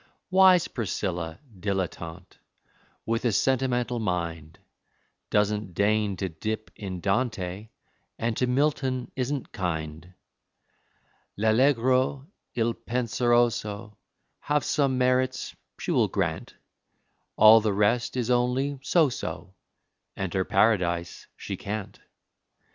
Wise Priscilla, dilettante, With a sentimental mind, Doesn't deign to dip in Dante, And to Milton isn't kind; L'Allegro, Il Penseroso Have some merits she will grant, All the rest is only so so Enter Paradise she can't!